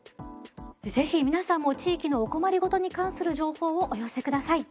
是非皆さんも地域のお困り事に関する情報をお寄せください。